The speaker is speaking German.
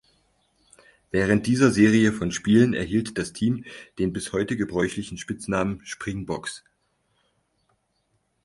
Während dieser Serie von Spielen erhielt das Team den bis heute gebräuchlichen Spitznamen "Springboks".